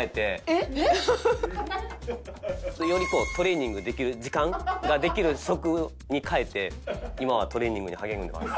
えっ？えっ？よりトレーニングできる時間ができる職に変えて今はトレーニングに励んでます。